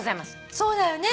そうだよね。